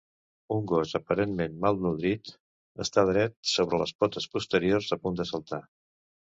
Un gos aparentment malnodrit està dret sobre les potes posteriors a punt de saltar.